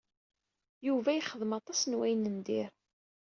Yuba yexdem aṭas n wayen n dir.